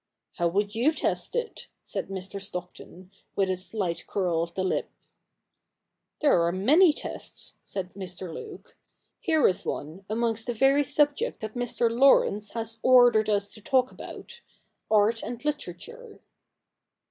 ' How would you test it ?' said Mr. Stockton, with a slight curl of the lip. ' There are many tests,' said Mr. Luke. ' Here is one amongst the very subjects that Mr. Laurence lias ordered us to talk about — art and literature.'